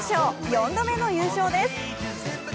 ４度目の優勝です。